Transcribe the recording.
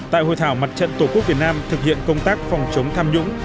tại hội thảo mặt trận tổ quốc việt nam thực hiện công tác phòng chống tham nhũng